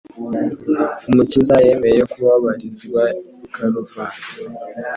Umukiza yemeye kubabarizwa i Karuvali.